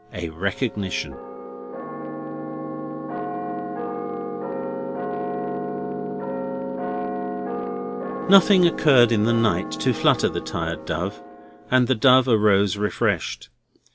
A RECOGNITION Nothing occurred in the night to flutter the tired dove; and the dove arose refreshed.